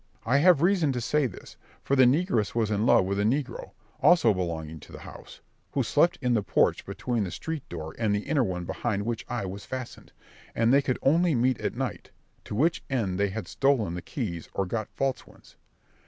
I have reason to say this; for the negress was in love with a negro, also belonging to the house, who slept in the porch between the street door and the inner one behind which I was fastened, and they could only meet at night, to which end they had stolen the keys or got false ones.